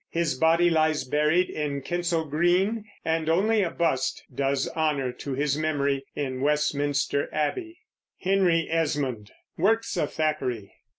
His body lies buried in Kensal Green, and only a bust does honor to his memory in Westminster Abbey. WORKS OF THACKERAY.